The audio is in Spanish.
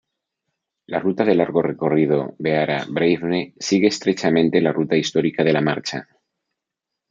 La ruta de largo recorrido Beara-Breifne sigue estrechamente la ruta histórica de la marcha.